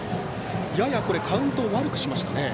ややカウントを悪くしましたね。